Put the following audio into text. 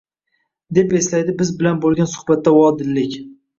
deb eslaydi biz bilan bo’lgan suhbatda vodillik